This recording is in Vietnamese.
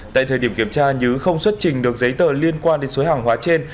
tại thời điểm kiểm tra nhứ không xuất trình được giấy tờ liên quan đến số hàng hóa trên